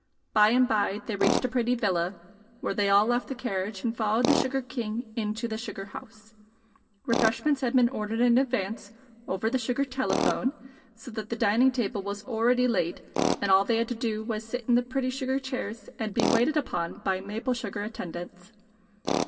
By and by they reached a pretty villa, where they all left the carriage and followed the sugar king into the sugar house. Refreshments had been ordered in advance, over the sugar telephone, so that the dining table was already laid and all they had to do was to sit in the pretty sugar chairs and be waited upon by maple sugar attendants.